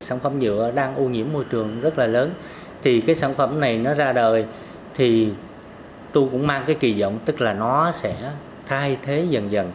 sản phẩm nhựa đang ô nhiễm môi trường rất là lớn thì cái sản phẩm này nó ra đời thì tôi cũng mang cái kỳ vọng tức là nó sẽ thay thế dần dần